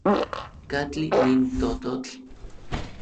¿Katli nin tototl?